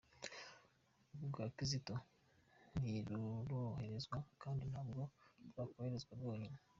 Urwa Kizito ntiruroherezwa kandi ntabwo rwakoherezwa rwonyine.